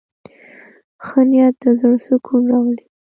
ښه نیت د زړه سکون راولي.